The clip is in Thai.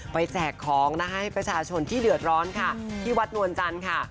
แจกของนะคะให้ประชาชนที่เดือดร้อนค่ะที่วัดนวลจันทร์ค่ะ